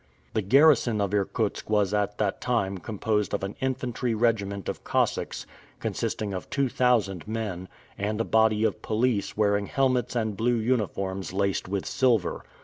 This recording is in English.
The garrison of Irkutsk was at that time composed of an infantry regiment of Cossacks, consisting of two thousand men, and a body of police wearing helmets and blue uniforms laced with silver.